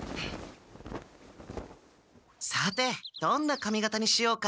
さてどんな髪形にしようか？